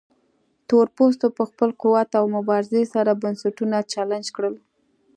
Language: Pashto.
تورپوستو په خپل قوت او مبارزې سره بنسټونه چلنج کړل.